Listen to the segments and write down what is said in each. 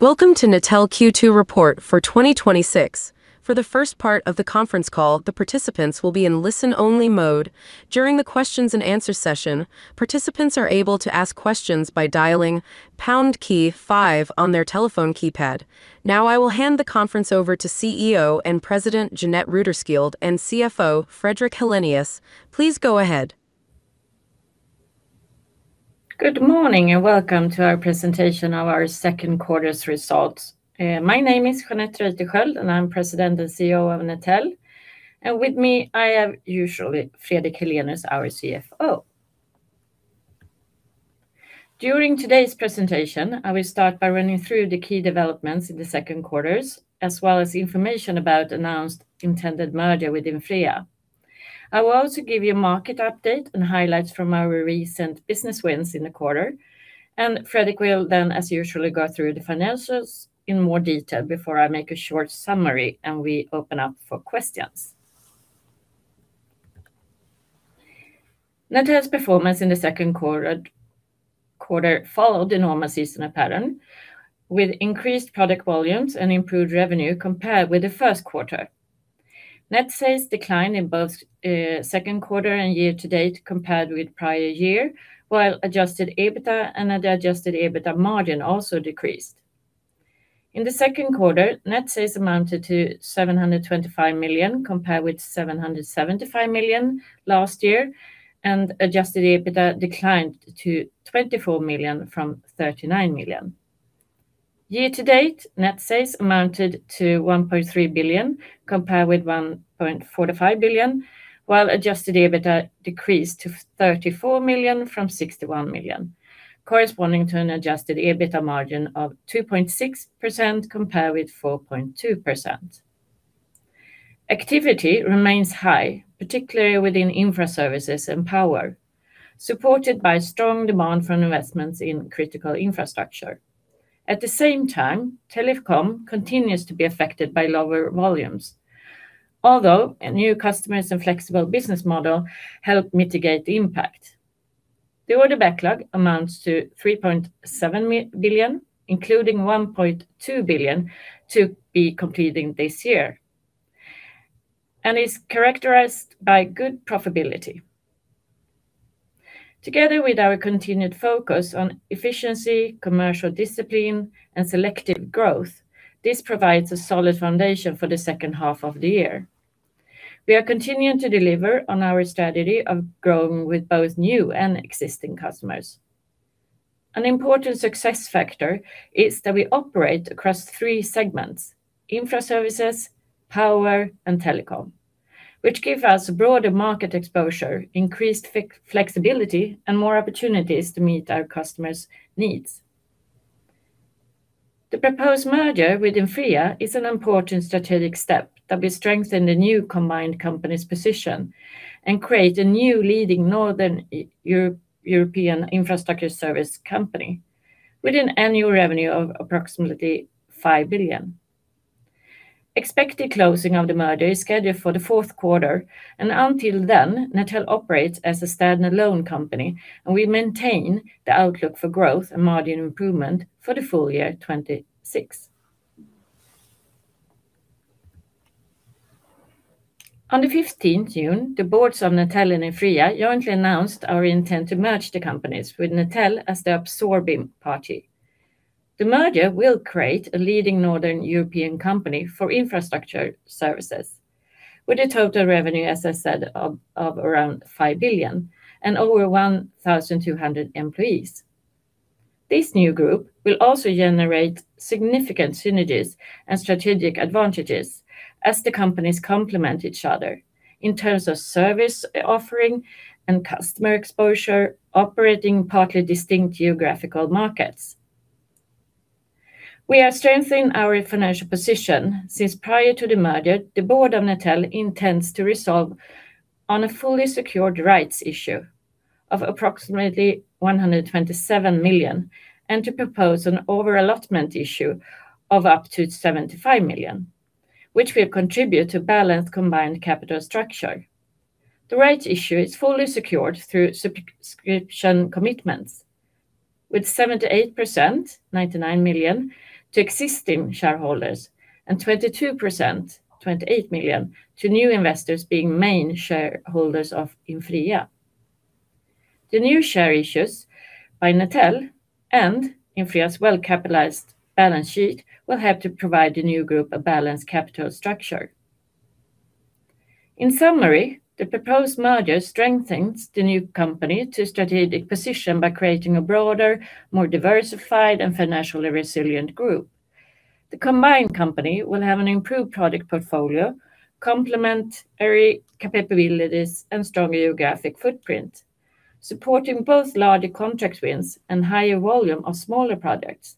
Welcome to Netel Q2 report for 2026. For the first part of the conference call, the participants will be in listen-only mode. During the questions and answer session, participants are able to ask questions by dialing pound key five on their telephone keypad. Now I will hand the conference over to CEO and President Jeanette Reuterskiöld and CFO Fredrik Helenius. Please go ahead. Good morning. Welcome to our presentation of our second quarter's results. My name is Jeanette Reuterskiöld, and I'm President and CEO of Netel. With me, I have as usual Fredrik Helenius, our CFO. During today's presentation, I will start by running through the key developments in the second quarter, as well as information about announced intended merger with Infrea. I will also give you a market update and highlights from our recent business wins in the quarter, and Fredrik will then, as usual, go through the financials in more detail before I make a short summary and we open up for questions. Netel's performance in the second quarter followed the normal seasonal pattern, with increased product volumes and improved revenue compared with the first quarter. Net sales declined in both second quarter and year to date compared with prior year, while adjusted EBITDA and adjusted EBITDA margin also decreased. In the second quarter, net sales amounted to 725 million compared with 775 million last year, and adjusted EBITDA declined to 24 million from 39 million. Year to date, net sales amounted to 1.3 billion compared with 1.45 billion, while adjusted EBITDA decreased to 34 million from 61 million, corresponding to an adjusted EBITDA margin of 2.6% compared with 4.2%. Activity remains high, particularly within Infraservices and Power, supported by strong demand from investments in critical infrastructure. At the same time, Telecom continues to be affected by lower volumes, although new customers and flexible business model help mitigate the impact. The order backlog amounts to 3.7 billion, including 1.2 billion to be completed this year, and is characterized by good profitability. Together with our continued focus on efficiency, commercial discipline and selective growth, this provides a solid foundation for H2. We are continuing to deliver on our strategy of growing with both new and existing customers. An important success factor is that we operate across three segments, Infraservices, Power and Telecom, which give us broader market exposure, increased flexibility, and more opportunities to meet our customers' needs. The proposed merger with Infrea is an important strategic step that will strengthen the new combined company's position and create a new leading northern European infrastructure service company with an annual revenue of approximately 5 billion. Expected closing of the merger is scheduled for the fourth quarter, and until then, Netel operates as a stand-alone company, and we maintain the outlook for growth and margin improvement for the full year 2026. On the 15th June, the boards of Netel and Infrea jointly announced our intent to merge the companies with Netel as the absorbing party. The merger will create a leading Northern European company for infrastructure services with a total revenue, as I said, of around 5 billion and over 1,200 employees. This new group will also generate significant synergies and strategic advantages as the companies complement each other in terms of service offering and customer exposure, operating partly distinct geographical markets. We are strengthening our financial position since, prior to the merger, the board of Netel intends to resolve on a fully secured rights issue of approximately 127 million and to propose an overallotment issue of up to 75 million, which will contribute to balanced combined capital structure. The rights issue is fully secured through subscription commitments with 78%, 99 million, to existing shareholders and 22%, 28 million, to new investors being main shareholders of Infrea. The new share issues by Netel and Infrea's well-capitalized balance sheet will help to provide the new group a balanced capital structure. In summary, the proposed merger strengthens the new company to a strategic position by creating a broader, more diversified, and financially resilient group. The combined company will have an improved product portfolio, complementary capabilities, and stronger geographic footprint, supporting both larger contract wins and higher volume of smaller products.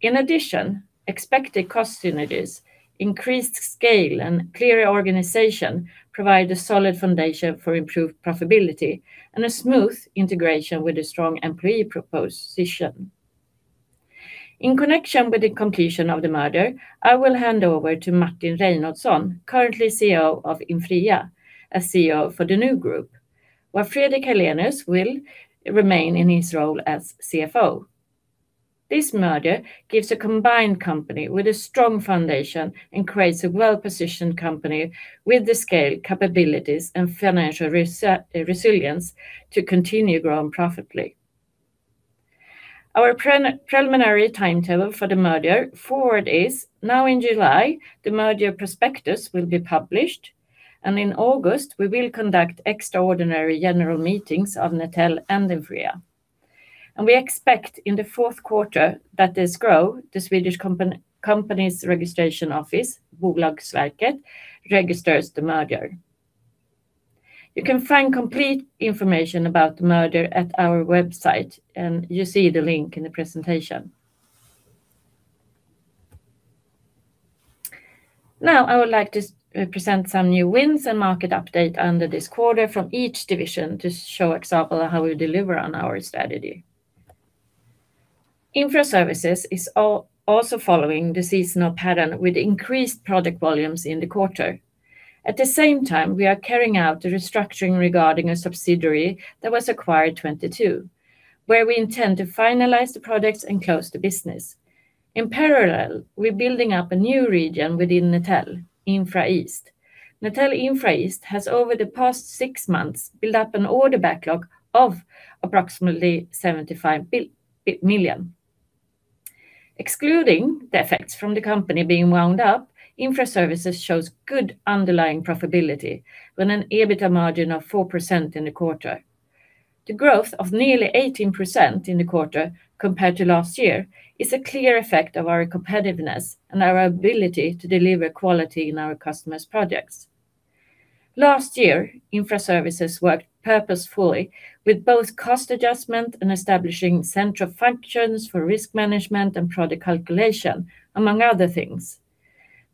In addition, expected cost synergies, increased scale, and clearer organization provide a solid foundation for improved profitability and a smooth integration with a strong employee proposition. In connection with the completion of the merger, I will hand over to Martin Reinholdsson, currently CEO of Infrea, as CEO for the new group, while Fredrik Helenius will remain in his role as CFO. This merger gives a combined company with a strong foundation and creates a well-positioned company with the scale, capabilities, and financial resilience to continue growing profitably. Our preliminary timetable for the merger forward is now in July, the merger prospectus will be published, and in August we will conduct extraordinary general meetings of Netel and Infrea. We expect in the fourth quarter that the Swedish Companies Registration Office, Bolagsverket, registers the merger. You can find complete information about the merger at our website, and you see the link in the presentation. Now, I would like to present some new wins and market update under this quarter from each division to show example of how we deliver on our strategy. Infraservices is also following the seasonal pattern with increased product volumes in the quarter. At the same time, we are carrying out the restructuring regarding a subsidiary that was acquired 2022, where we intend to finalize the products and close the business. In parallel, we are building up a new region within Netel, Infra East. Netel Infra East has, over the past six months, built up an order backlog of approximately 75 million. Excluding the effects from the company being wound up, Infraservices shows good underlying profitability with an EBITDA margin of 4% in the quarter. The growth of nearly 18% in the quarter compared to last year is a clear effect of our competitiveness and our ability to deliver quality in our customers' projects. Last year, Infraservices worked purposefully with both cost adjustment and establishing central functions for risk management and product calculation, among other things.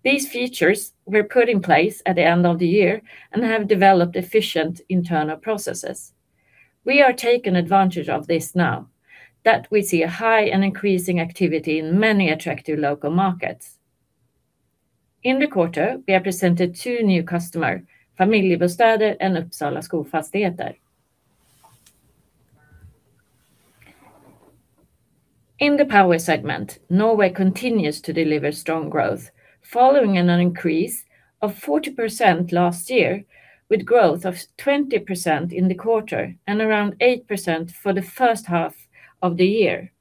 These features were put in place at the end of the year and have developed efficient internal processes. We are taking advantage of this now that we see a high and increasing activity in many attractive local markets. In the quarter, we have presented two new customers, Familjebostäder and Uppsala Skolfastigheter. In the power segment, Norway continues to deliver strong growth following an increase of 40% last year, with growth of 20% in the quarter and around 8% for the first half of the year.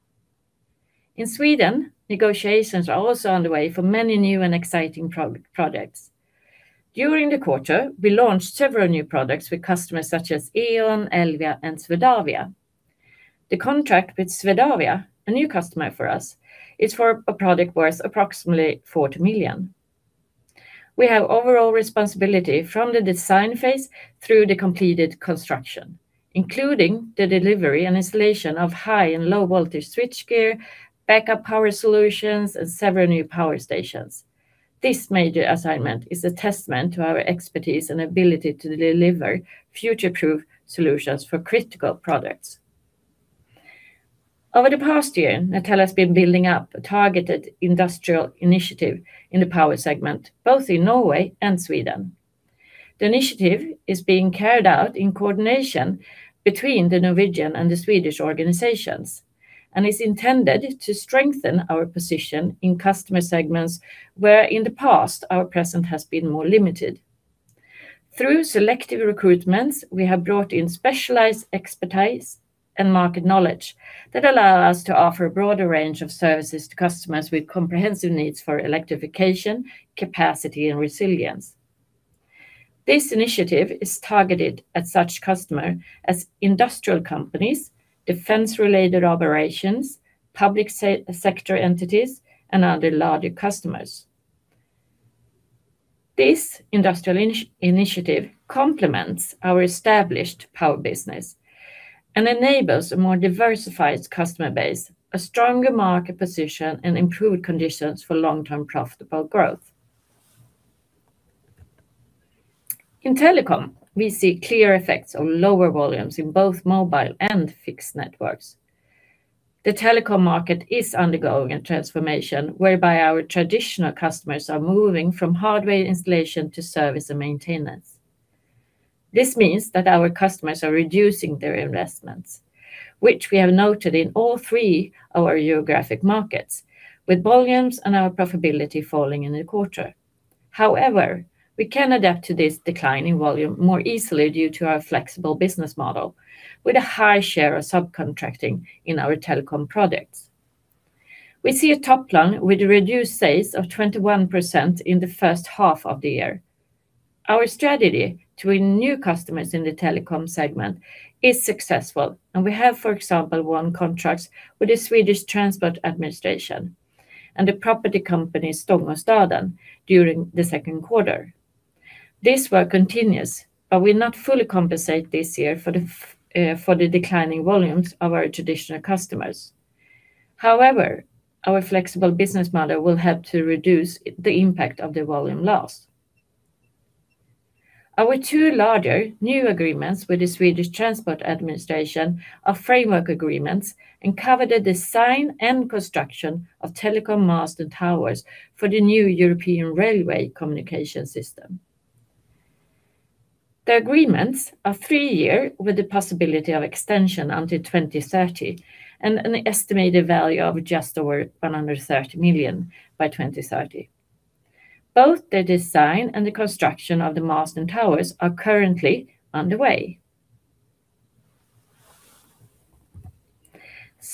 In Sweden, negotiations are also underway for many new and exciting projects. During the quarter, we launched several new products with customers such as E.ON, Elvia, and Swedavia. The contract with Swedavia, a new customer for us, is for a product worth approximately 40 million. We have overall responsibility from the design phase through the completed construction, including the delivery and installation of high and low voltage switchgear, backup power solutions, and several new power stations. This major assignment is a testament to our expertise and ability to deliver future-proof solutions for critical products. Over the past year, Netel has been building up a targeted industrial initiative in the power segment, both in Norway and Sweden. The initiative is being carried out in coordination between the Norwegian and the Swedish organizations and is intended to strengthen our position in customer segments, where in the past, our presence has been more limited. Through selective recruitments, we have brought in specialized expertise and market knowledge that allow us to offer a broader range of services to customers with comprehensive needs for electrification, capacity, and resilience. This initiative is targeted at such customers as industrial companies, defense-related operations, public sector entities, and other larger customers. This industrial initiative complements our established power business and enables a more diversified customer base, a stronger market position, and improved conditions for long-term profitable growth. In telecom, we see clear effects on lower volumes in both mobile and fixed networks. The telecom market is undergoing a transformation whereby our traditional customers are moving from hardware installation to service and maintenance. This means that our customers are reducing their investments, which we have noted in all three our geographic markets, with volumes and our profitability falling in the quarter. However, we can adapt to this decline in volume more easily due to our flexible business model with a high share of subcontracting in our telecom products. We see a top line with reduced sales of 21% in the first half of the year. Our strategy to win new customers in the telecom segment is successful, and we have, for example, won contracts with the Swedish Transport Administration and the property company Stångåstaden during the second quarter. This work continues, but will not fully compensate this year for the declining volumes of our traditional customers. However, our flexible business model will help to reduce the impact of the volume lost. Our two larger new agreements with the Swedish Transport Administration are framework agreements and cover the design and construction of telecom mast and towers for the new European railway communication system. The agreements are three-year with the possibility of extension until 2030, and an estimated value of just over 130 million by 2030. Both the design and the construction of the mast and towers are currently underway.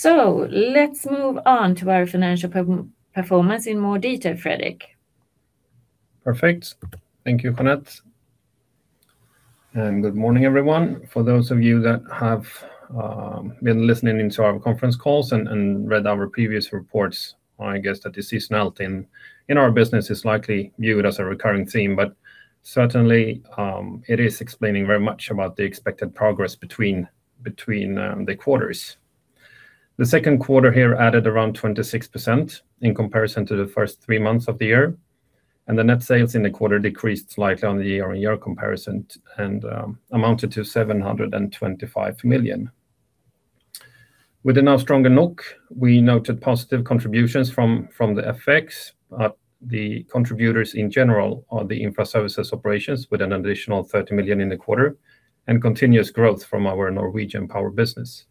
Let's move on to our financial performance in more detail, Fredrik. Perfect. Thank you, Jeanette, and good morning everyone. For those of you that have been listening into our conference calls and read our previous reports, I guess the seasonality in our business is likely viewed as a recurring theme, but certainly, it is explaining very much about the expected progress between the quarters. The second quarter here added around 26% in comparison to the first three months of the year, and the net sales in the quarter decreased slightly on the year-in-year comparison and amounted to 725 million. With a now stronger NOK, we noted positive contributions from the effects. The contributors in general are the Infraservices operations with an additional 30 million in the quarter and continuous growth from our Norwegian Power business.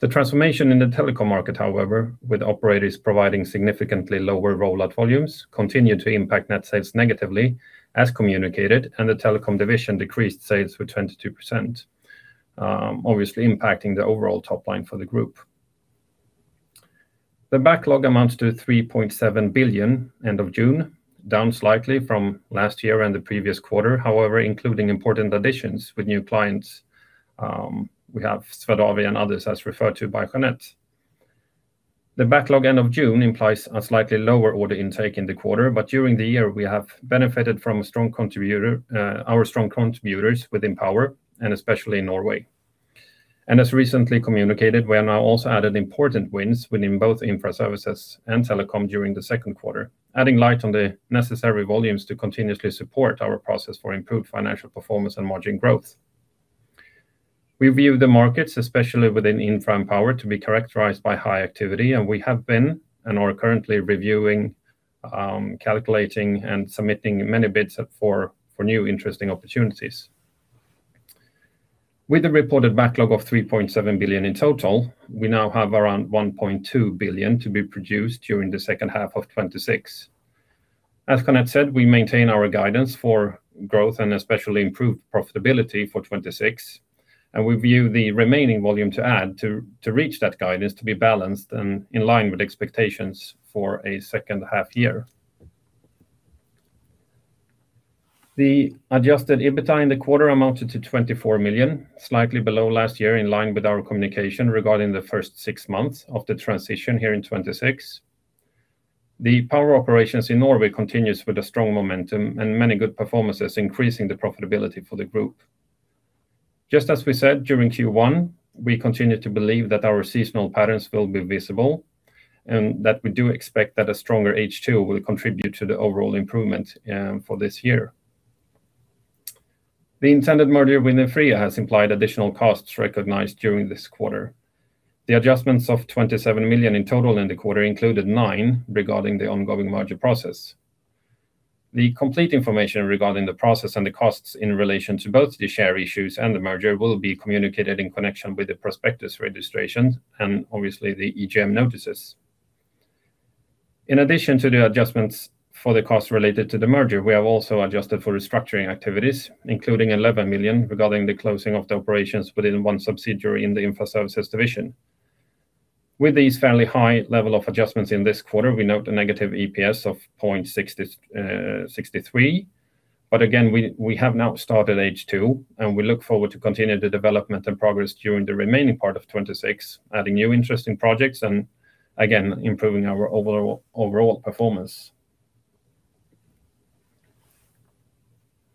The transformation in the Telecom market, however, with operators providing significantly lower rollout volumes, continued to impact net sales negatively, as communicated, and the Telecom division decreased sales for 22%, obviously impacting the overall top line for the group. The backlog amounts to 3.7 billion end of June, down slightly from last year and the previous quarter. However, including important additions with new clients. We have Swedavia and others, as referred to by Jeanette. The backlog end of June implies a slightly lower order intake in the quarter, but during the year, we have benefited from our strong contributors within Power, and especially in Norway. As recently communicated, we have now also added important wins within both Infraservices and Telecom during the second quarter, adding light on the necessary volumes to continuously support our process for improved financial performance and margin growth. We view the markets, especially within Infra and Power, to be characterized by high activity, and we have been and are currently reviewing, calculating, and submitting many bids for new interesting opportunities. With the reported backlog of 3.7 billion in total, we now have around 1.2 billion to be produced during the second half of 2026. As Jeanette said, we maintain our guidance for growth and especially improved profitability for 2026, and we view the remaining volume to add to reach that guidance to be balanced and in line with expectations for a second half year. The adjusted EBITA in the quarter amounted to 24 million, slightly below last year, in line with our communication regarding the first six months of the transition here in 2026. The Power operations in Norway continues with a strong momentum and many good performances, increasing the profitability for the group. Just as we said during Q1, we continue to believe that our seasonal patterns will be visible, and that we do expect that a stronger H2 will contribute to the overall improvement for this year. The intended merger with Infrea has implied additional costs recognized during this quarter. The adjustments of 27 million in total in the quarter included nine regarding the ongoing merger process. The complete information regarding the process and the costs in relation to both the share issues and the merger will be communicated in connection with the prospectus registrations and obviously the EGM notices. In addition to the adjustments for the cost related to the merger, we have also adjusted for restructuring activities, including 11 million regarding the closing of the operations within one subsidiary in the Infraservices division. With these fairly high level of adjustments in this quarter, we note a negative EPS of 0.63. Again, we have now started H2, and we look forward to continue the development and progress during the remaining part of 2026, adding new interesting projects and again, improving our overall performance.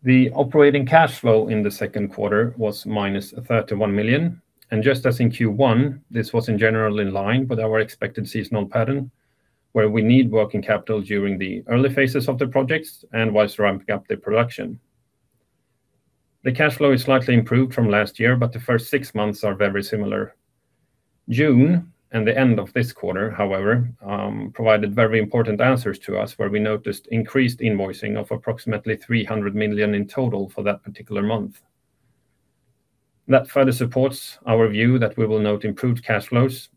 The operating cash flow in the second quarter was -31 million, and just as in Q1, this was in general in line with our expected seasonal pattern, where we need working capital during the early phases of the projects and whilst ramping up the production. The cash flow is slightly improved from last year, the first six months are very similar. June and the end of this quarter, however, provided very important answers to us, where we noticed increased invoicing of approximately 300 million in total for that particular month. That further supports our view that we will note improved cash flows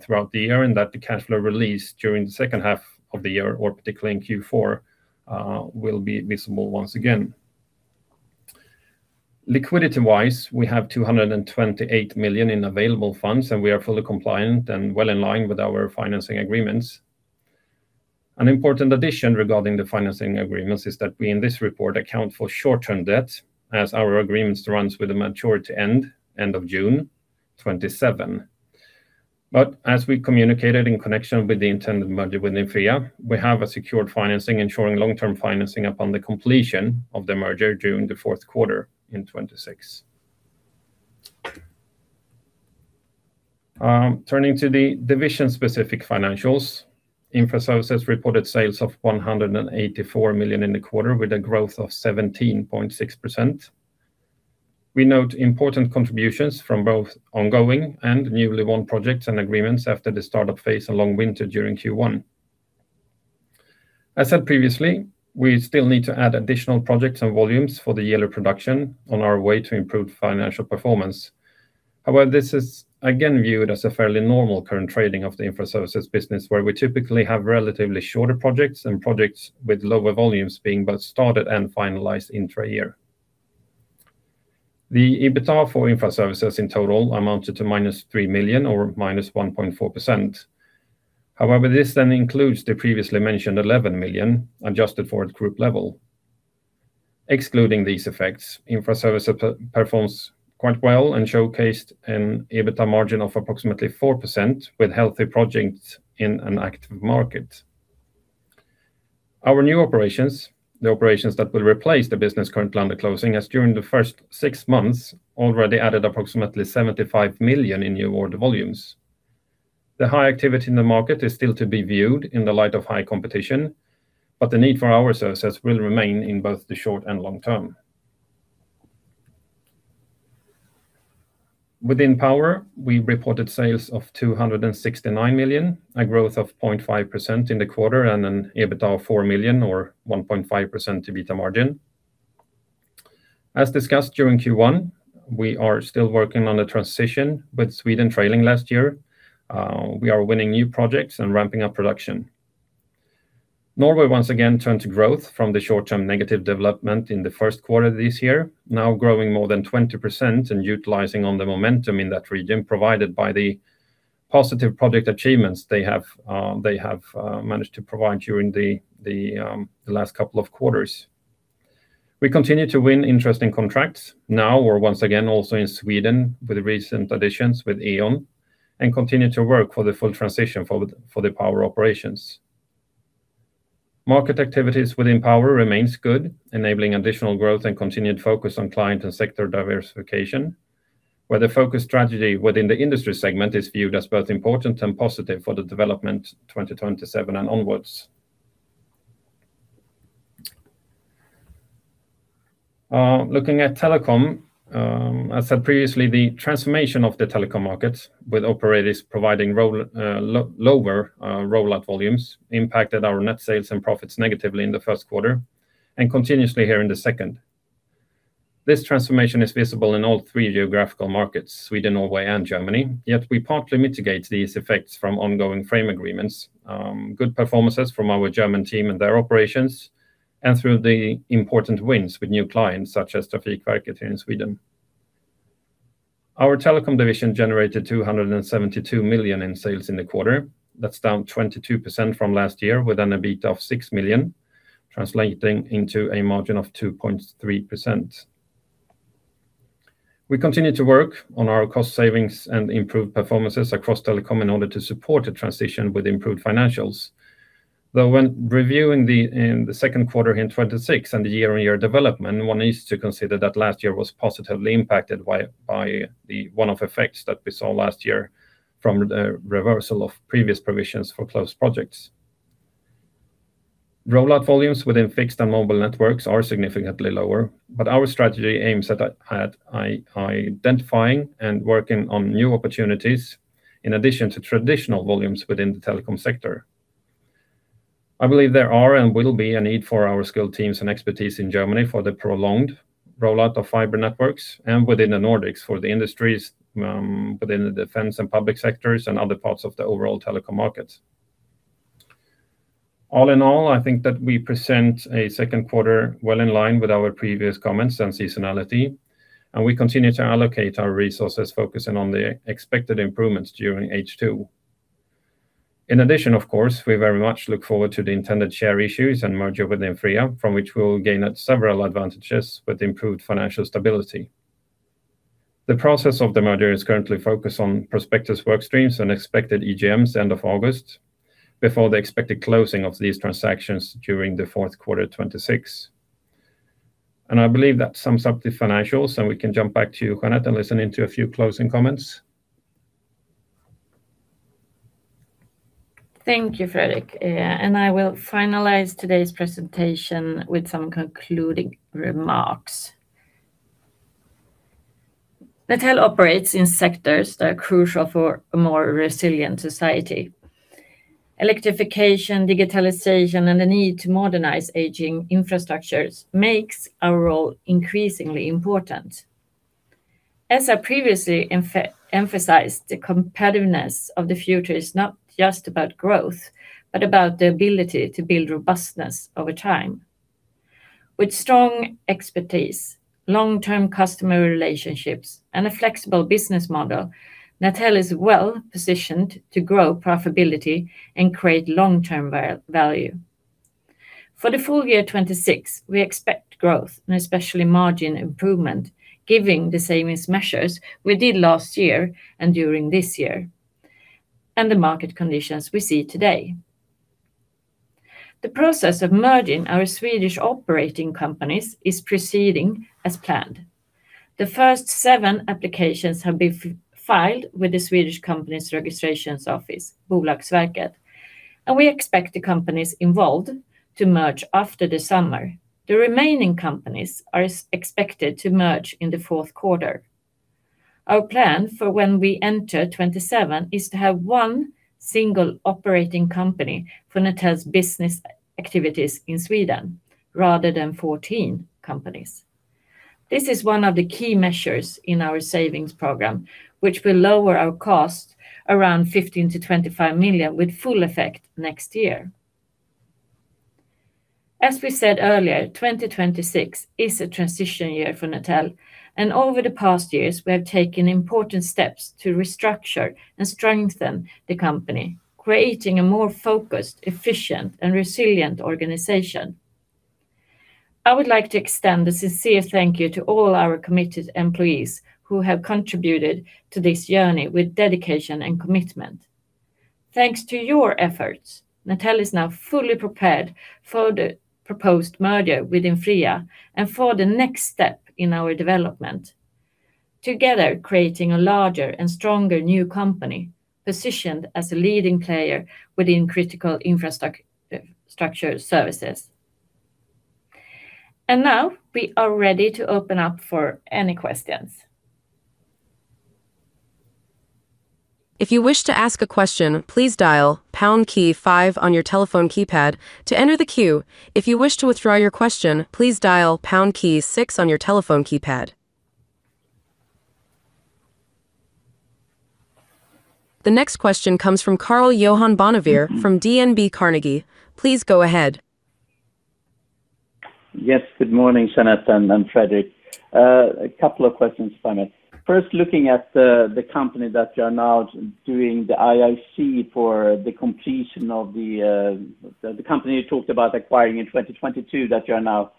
throughout the year, and that the cash flow release during the second half of the year or particularly in Q4, will be visible once again. Liquidity-wise, we have 228 million in available funds, and we are fully compliant and well in line with our financing agreements. An important addition regarding the financing agreements is that we, in this report, account for short-term debt as our agreements runs with a maturity end of June 2027. As we communicated in connection with the intended merger with Infrea, we have a secured financing ensuring long-term financing upon the completion of the merger during the fourth quarter in 2026. Turning to the division-specific financials. Infraservices reported sales of 184 million in the quarter with a growth of 17.6%. We note important contributions from both ongoing and newly won projects and agreements after the startup phase and long winter during Q1. As said previously, we still need to add additional projects and volumes for the yearly production on our way to improved financial performance. This is again viewed as a fairly normal current trading of the Infraservices business, where we typically have relatively shorter projects and projects with lower volumes being both started and finalized intra year. The EBITA for Infraservices in total amounted to -3 million or -1.4%. This then includes the previously mentioned 11 million, adjusted for at group level. Excluding these effects, Infraservices performs quite well and showcased an EBITA margin of approximately 4% with healthy projects in an active market. Our new operations, the operations that will replace the business currently under closing, as during the first six months already added approximately 75 million in new order volumes. The high activity in the market is still to be viewed in the light of high competition, but the need for our services will remain in both the short and long term. Within Power, we reported sales of 269 million, a growth of 0.5% in the quarter and an EBITA of 4 million or 1.5% EBITA margin. As discussed during Q1, we are still working on the transition, with Sweden trailing last year. We are winning new projects and ramping up production. Norway once again turned to growth from the short-term negative development in the first quarter of this year, now growing more than 20% and utilizing on the momentum in that region provided by the positive project achievements they have managed to provide during the last couple of quarters. We continue to win interesting contracts, now we are once again also in Sweden with recent additions with E.ON and continue to work for the full transition for the Power operations. Market activities within Power remains good, enabling additional growth and continued focus on client and sector diversification, where the focus strategy within the industry segment is viewed as both important and positive for the development 2027 and onwards. Looking at Telecom. As said previously, the transformation of the telecom market with operators providing lower rollout volumes impacted our net sales and profits negatively in the first quarter and continuously here in the second. This transformation is visible in all three geographical markets, Sweden, Norway and Germany, yet we partly mitigate these effects from ongoing frame agreements, good performances from our German team and their operations, and through the important wins with new clients such as Trafikverket here in Sweden. Our Telecom division generated 272 million in sales in the quarter. That is down 22% from last year with an EBITA of 6 million, translating into a margin of 2.3%. We continue to work on our cost savings and improved performances across Telecom in order to support a transition with improved financials. When reviewing the second quarter in 2026 and the year-on-year development, one needs to consider that last year was positively impacted by the one-off effects that we saw last year from the reversal of previous provisions for closed projects. Rollout volumes within fixed and mobile networks are significantly lower, our strategy aims at identifying and working on new opportunities in addition to traditional volumes within the telecom sector. I believe there are and will be a need for our skilled teams and expertise in Germany for the prolonged rollout of fiber networks and within the Nordics for the industries within the defense and public sectors and other parts of the overall telecom market. All in all, I think that we present a second quarter well in line with our previous comments and seasonality, we continue to allocate our resources focusing on the expected improvements during H2. In addition, of course, we very much look forward to the intended share issues and merger within Infrea, from which we'll gain several advantages with improved financial stability. The process of the merger is currently focused on prospectus work streams and expected EGMs end of August, before the expected closing of these transactions during the fourth quarter 2026. I believe that sums up the financials, and we can jump back to you, Jeanette, and listen into a few closing comments. Thank you, Fredrik. I will finalize today's presentation with some concluding remarks. Netel operates in sectors that are crucial for a more resilient society. Electrification, digitalization, and the need to modernize aging infrastructures makes our role increasingly important. As I previously emphasized, the competitiveness of the future is not just about growth, but about the ability to build robustness over time. With strong expertise, long-term customer relationships, and a flexible business model, Netel is well-positioned to grow profitability and create long-term value. For the full year 2026, we expect growth and especially margin improvement, giving the savings measures we did last year and during this year, and the market conditions we see today. The process of merging our Swedish operating companies is proceeding as planned. The first seven applications have been filed with the Swedish Companies Registration Office, Bolagsverket, and we expect the companies involved to merge after the summer. The remaining companies are expected to merge in the fourth quarter. Our plan for when we enter 2027 is to have one single operating company for Netel's business activities in Sweden rather than 14 companies. This is one of the key measures in our savings program, which will lower our cost around 15 million-25 million with full effect next year. As we said earlier, 2026 is a transition year for Netel, and over the past years, we have taken important steps to restructure and strengthen the company, creating a more focused, efficient, and resilient organization. I would like to extend a sincere thank you to all our committed employees who have contributed to this journey with dedication and commitment. Thanks to your efforts, Netel is now fully prepared for the proposed merger with Infrea and for the next step in our development. Together, creating a larger and stronger new company positioned as a leading player within critical infrastructure services. Now we are ready to open up for any questions. If you wish to ask a question, please dial pound key five on your telephone keypad to enter the queue. If you wish to withdraw your question, please dial pound key six on your telephone keypad. The next question comes from Karl-Johan Bonnevier from DNB Carnegie. Please go ahead. Yes. Good morning, Jeanette and Fredrik. A couple of questions for me. First, looking at the company that you're now doing the IIC for the completion of the company you talked about acquiring in 2022 that you're now,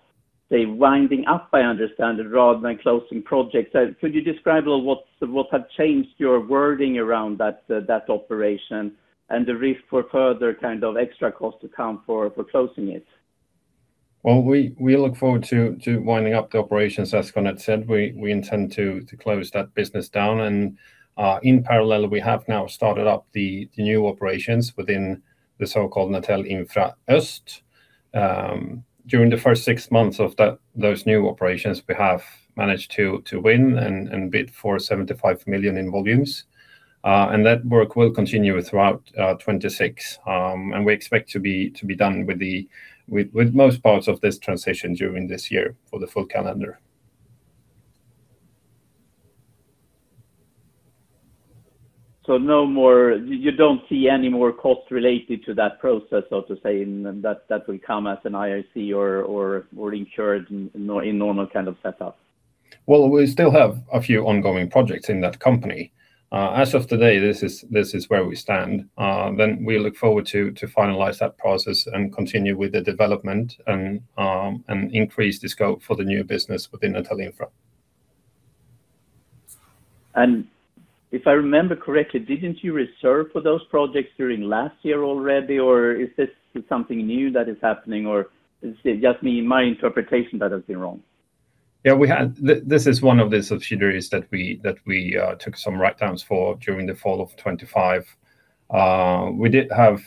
say, winding up, I understand, rather than closing projects. Could you describe a little what have changed your wording around that operation and the risk for further kind of extra cost to come for closing it? Well, we look forward to winding up the operations, as Jeanette said. We intend to close that business down. In parallel, we have now started up the new operations within the so-called Netel Infraöst. During the first six months of those new operations, we have managed to win and bid for 75 million in volumes. That work will continue throughout 2026. We expect to be done with most parts of this transition during this year for the full calendar. You don't see any more costs related to that process, so to say, that will come as an IIC or incurred in normal kind of setup? Well, we still have a few ongoing projects in that company. As of today, this is where we stand. Then we look forward to finalize that process and continue with the development and increase the scope for the new business within Netel Infra. If I remember correctly, didn't you reserve for those projects during last year already, or is this something new that is happening, or is it just me, my interpretation that has been wrong? This is one of the subsidiaries that we took some writedowns for during the fall of 2025. We did have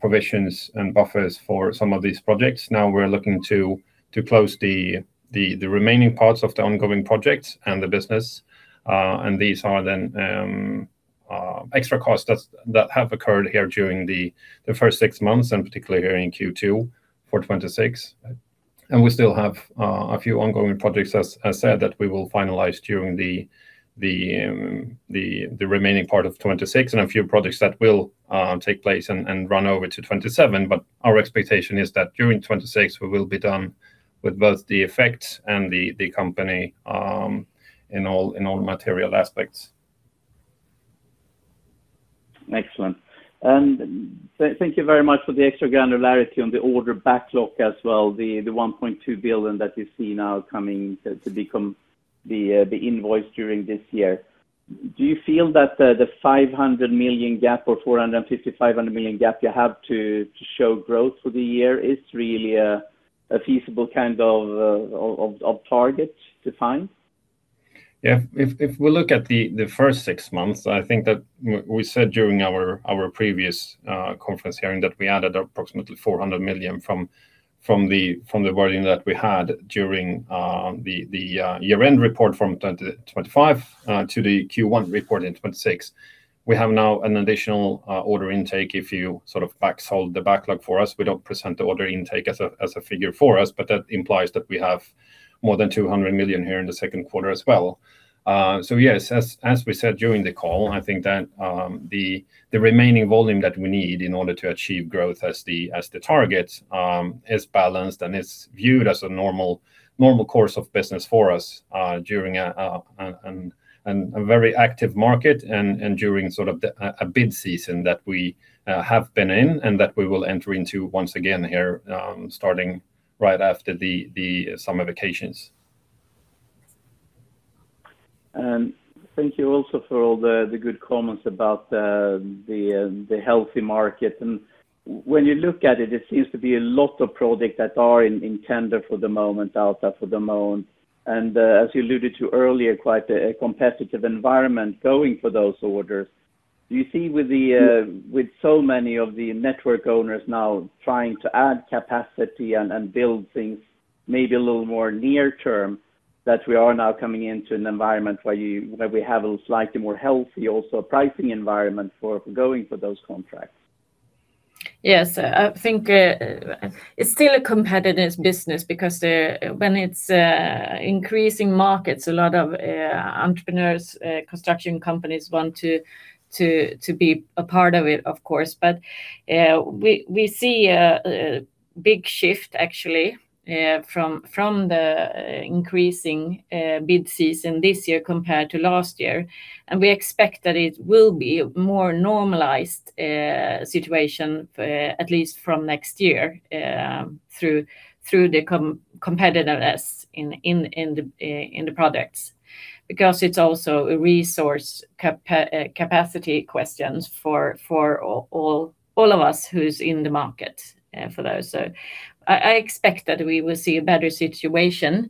provisions and buffers for some of these projects. Now we're looking to close the remaining parts of the ongoing projects and the business. These are then extra costs that have occurred here during the first six months and particularly here in Q2 for 2026. We still have a few ongoing projects, as I said, that we will finalize during the remaining part of 2026 and a few projects that will take place and run over to 2027. But our expectation is that during 2026, we will be done with both the effects and the company in all material aspects. Excellent. Thank you very much for the extra granularity on the order backlog as well, the 1.2 billion that you see now coming to become the invoice during this year. Do you feel that the 500 million gap or 450 million-500 million gap you have to show growth for the year is really a feasible kind of target to find? If we look at the first six months, I think that we said during our previous conference hearing that we added approximately 400 million from the wording that we had during the year-end report from 2025 to the Q1 report in 2026. We have now an additional order intake if you sort of back solve the backlog for us. We don't present the order intake as a figure for us, but that implies that we have more than 200 million here in the second quarter as well. Yes, as we said during the call, I think that the remaining volume that we need in order to achieve growth as the target is balanced and is viewed as a normal course of business for us during a very active market and during sort of a bid season that we have been in and that we will enter into once again here starting right after the summer vacations. Thank you also for all the good comments about the healthy market. When you look at it seems to be a lot of projects that are in tender for the moment, out for the moment. As you alluded to earlier, quite a competitive environment going for those orders. Do you see with so many of the network owners now trying to add capacity and build things maybe a little more near term, that we are now coming into an environment where we have a slightly more healthy pricing environment for going for those contracts? Yes. I think it's still a competitive business because when it's increasing markets, a lot of entrepreneurs, construction companies want to be a part of it, of course. We see a big shift actually from the increasing bid season this year compared to last year. We expect that it will be more normalized situation, at least from next year, through the competitiveness in the products. It's also a resource capacity questions for all of us who's in the market for those. I expect that we will see a better situation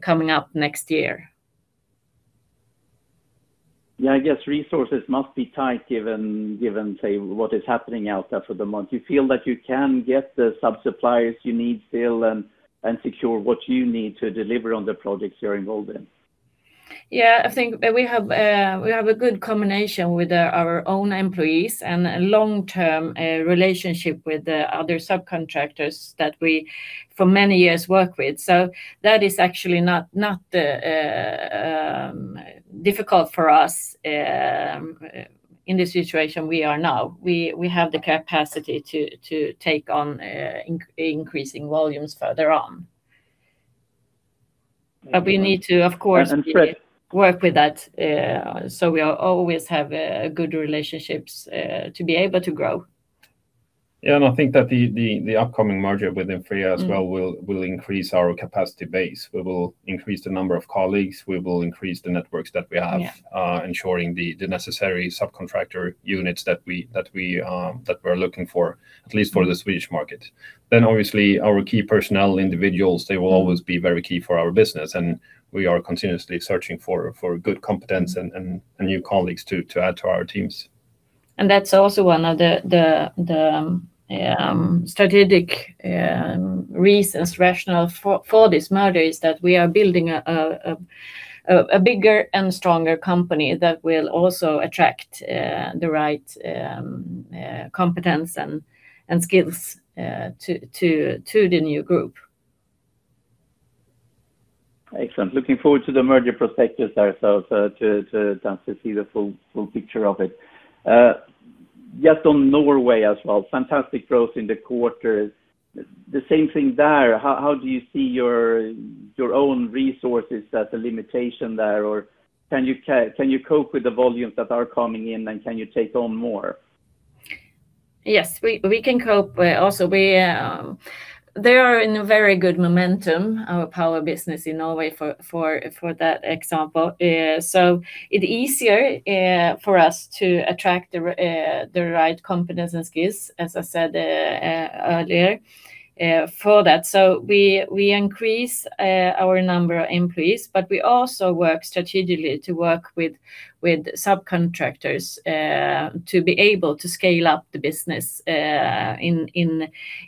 coming up next year. Yeah, I guess resources must be tight given what is happening out there for the month. Do you feel that you can get the sub-suppliers you need still and secure what you need to deliver on the projects you're involved in? Yeah, I think we have a good combination with our own employees and a long-term relationship with the other subcontractors that we, for many years, work with. That is actually not difficult for us in the situation we are now. We have the capacity to take on increasing volumes further on. We need to, of course, work with that, so we always have good relationships to be able to grow. Yeah, I think that the upcoming merger with Infrea as well will increase our capacity base. We will increase the number of colleagues, we will increase the networks that we have. Yeah. Ensuring the necessary subcontractor units that we're looking for, at least for the Swedish market. Obviously our key personnel individuals, they will always be very key for our business, and we are continuously searching for good competence and new colleagues to add to our teams. That is also one of the strategic reasons, rationale for this merger, is that we are building a bigger and stronger company that will also attract the right competence and skills to the new group. Excellent. Looking forward to the merger prospectus ourselves to see the full picture of it. Just on Norway as well, fantastic growth in the quarter. The same thing there, how do you see your own resources as a limitation there, or can you cope with the volumes that are coming in, and can you take on more? Yes, we can cope. They are in a very good momentum, our power business in Norway for that example. It is easier for us to attract the right competence and skills, as I said earlier, for that. We increase our number of employees, but we also work strategically to work with subcontractors, to be able to scale up the business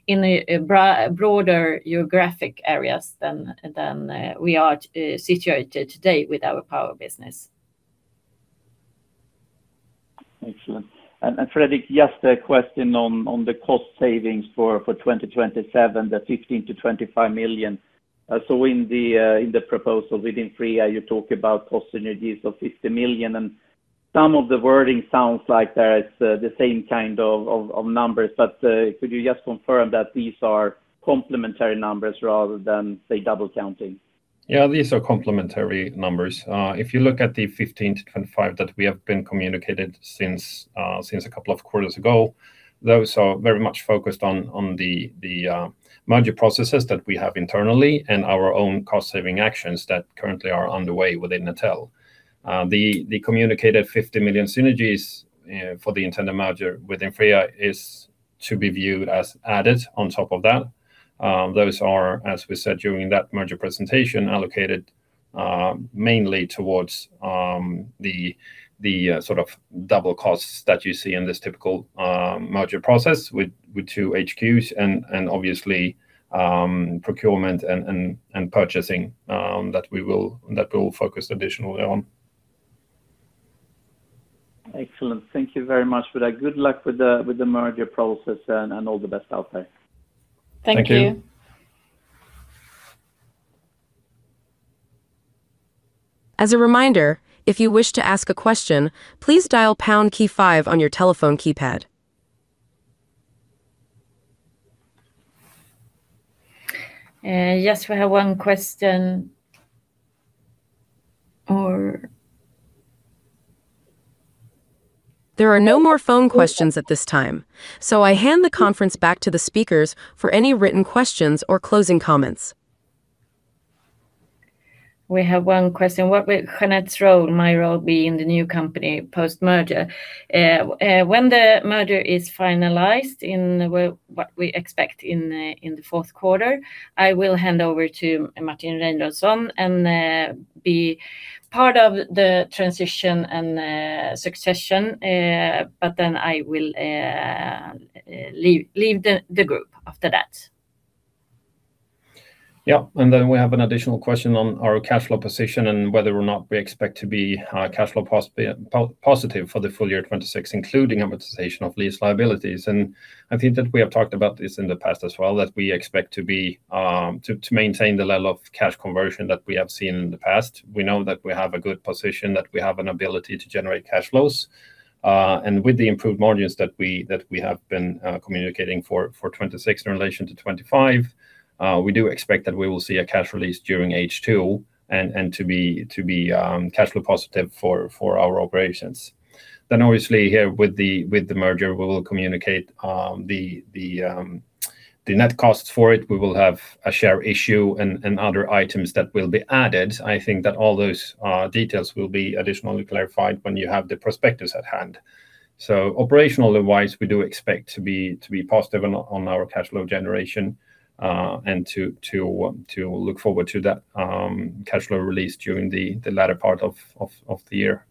in broader geographic areas than we are situated today with our Power business. Excellent. Fredrik, just a question on the cost savings for 2027, the 15 million-25 million. In the proposal within Infrea, you talk about cost synergies of 50 million, and some of the wording sounds like that it is the same kind of numbers. Could you just confirm that these are complementary numbers rather than, say, double counting? Yeah, these are complementary numbers. If you look at the 15 million-25 million that we have been communicating since a couple of quarters ago, those are very much focused on the merger processes that we have internally and our own cost-saving actions that currently are underway within Netel. The communicated 50 million synergies for the intended merger with Infrea is to be viewed as added on top of that. Those are, as we said during that merger presentation, allocated mainly towards the double costs that you see in this typical merger process with two HQs and obviously procurement and purchasing that we will focus additionally on. Excellent. Thank you very much for that. Good luck with the merger process and all the best out there. Thank you. Thank you. As a reminder, if you wish to ask a question, please dial pound key five on your telephone keypad. Yes, we have one question. There are no more phone questions at this time. I hand the conference back to the speakers for any written questions or closing comments. We have one question. What will Jeanette's role, my role, be in the new company post-merger? When the merger is finalized in what we expect in the fourth quarter, I will hand over to Martin Reinholdsson and be part of the transition and succession, but then I will leave the group after that. Yeah. We have an additional question on our cash flow position and whether or not we expect to be cash flow positive for the full year 2026, including amortization of lease liabilities. I think that we have talked about this in the past as well, that we expect to maintain the level of cash conversion that we have seen in the past. We know that we have a good position, that we have an ability to generate cash flows. With the improved margins that we have been communicating for 2026 in relation to 2025, we do expect that we will see a cash release during H2, and to be cash flow positive for our operations. Obviously here with the merger, we will communicate the net costs for it. We will have a share issue and other items that will be added. I think that all those details will be additionally clarified when you have the prospectus at hand. Operationally wise, we do expect to be positive on our cash flow generation, and to look forward to that cash flow release during the latter part of the year.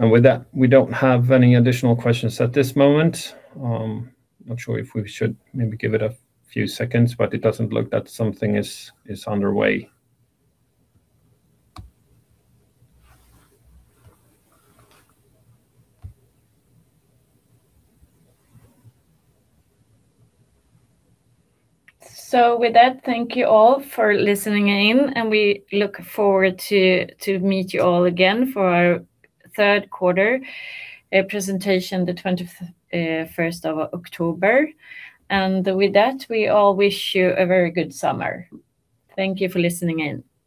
With that, we don't have any additional questions at this moment. I'm not sure if we should maybe give it a few seconds, but it doesn't look that something is underway. With that, thank you all for listening in, and we look forward to meet you all again for our third quarter presentation, the 21st of October. With that, we all wish you a very good summer. Thank you for listening in.